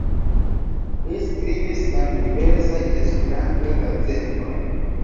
Li skribis en diversaj Esperantaj gazetoj.